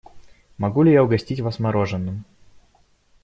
Могу ли я угостить вас мороженым?